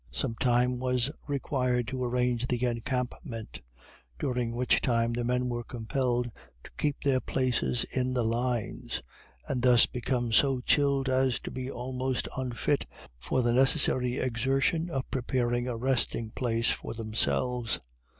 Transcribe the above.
Some time was required to arrange the encampment, during which time the men were compelled to keep their places in the lines, and thus become so chilled as to be almost unfit for the necessary exertion of preparing a resting place for themselves.